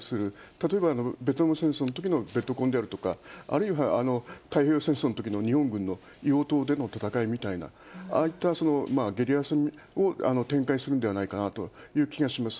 例えばベトナム戦争のときのべとこんであるとか、あるいは太平洋戦争のときの日本軍の硫黄島での戦いみたいな、ああいったゲリラ戦を展開するんでないかなという気がします。